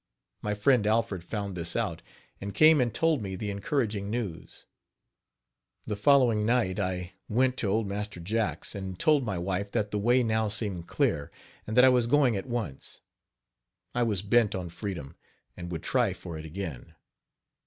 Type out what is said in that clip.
My friend Alfred found this out, and came and told me the encouraging news. The following night I went to old Master Jack's and told my wife that the way now seemed clear, and that I was going at once. I was bent on freedom, and would try for it again.